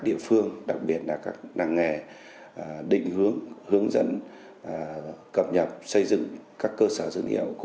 địa phương đặc biệt là các năng nghề định hướng hướng dẫn cập nhập xây dựng các cơ sở dân hiệu